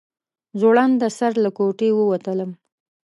زوړنده سر له کوټې ووتلم.